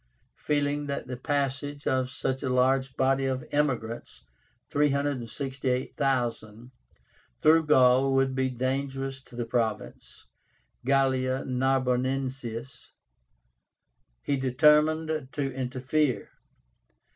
Feeling that the passage of such a large body of emigrants (368,000) through Gaul would be dangerous to the province (Gallia Narbonensis), he determined to interfere.